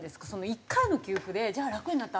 １回の給付で「楽になった。